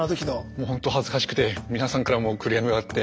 もうほんと恥ずかしくて皆さんからもクレームがあって。